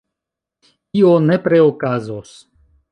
Io nepre okazos.